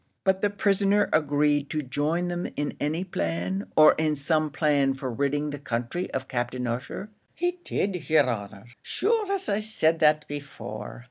"But the prisoner agreed to join them in any plan, or in some plan for ridding the country of Captain Ussher?" "He did, yer honour; shure I said that before."